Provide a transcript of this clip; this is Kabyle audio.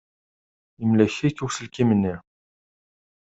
Imlek-ik uselkim-nni.